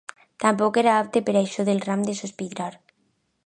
Tampoc era apte per això del ram de sospirar